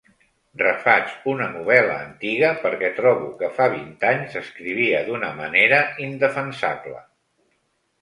Refaig una novel·la antiga perquè trobo que fa vint anys escrivia d'una manera indefensable.